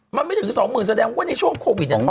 มันไม่ถึงสองหมื่นแสดงว่าในช่วงโควิดเนี่ย